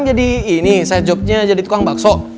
jadi ini side jobnya jadi tukang bakso